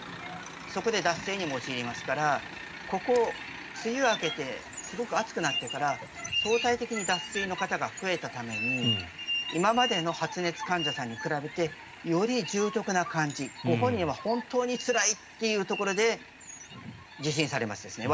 そこで脱水にも陥りますから梅雨が明けてすごく暑くなってから相対的に脱水の方が増えたために今までの発熱患者さんに比べてより重篤な感じご本人は本当につらいというところで受診されますね。